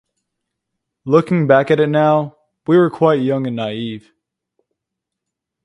Looking back at it now, we were quite young and naive.